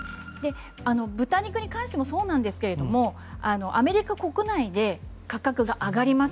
豚肉に関してもそうなんですがアメリカ国内で価格が上がります。